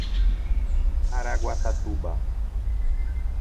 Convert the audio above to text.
Caraguatatuba